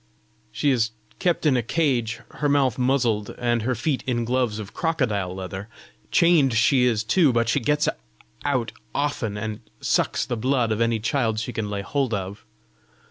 "She is kept in a cage, her mouth muzzled, and her feet in gloves of crocodile leather. Chained she is too; but she gets out often, and sucks the blood of any child she can lay hold of.